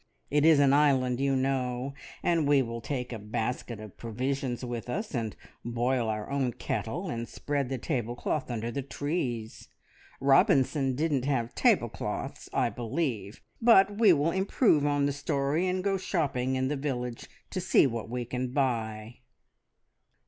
It is an island, you know; and we will take a basket of provisions with us, and boil our own kettle, and spread the tablecloth under the trees. Robinson didn't have tablecloths, I believe; but we will improve on the story, and go shopping in the village to see what we can buy."